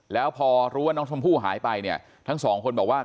แล้วพอรู้ว่าน้องชมพู่หายไปเนี่ยทั้งสองคนบอกว่า